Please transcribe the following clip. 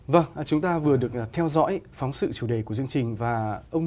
bộ khoa học và công nghệ được làm đầu mối hướng dẫn phối hợp với các bộ ngành địa phương